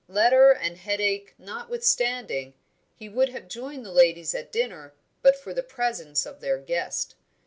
Letter and headache notwithstanding, he would have joined the ladies at dinner but for the presence of their guest.